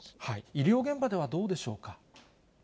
医療現場ではどうでしょうか。